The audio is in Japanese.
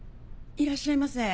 いらっしゃいませ。